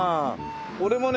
俺もね